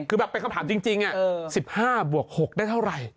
คือแบบเป็นคำถามจริง๑๕บวก๖ได้เท่าไหร่